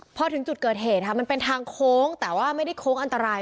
พอถึงจุดเกิดเหตุค่ะมันเป็นทางโค้งแต่ว่าไม่ได้โค้งอันตราย